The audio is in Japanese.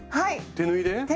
手縫いで！